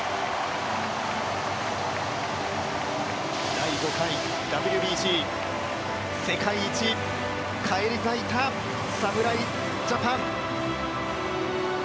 第５回ＷＢＣ、世界一、返り咲いた侍ジャパン。